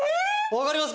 わかります？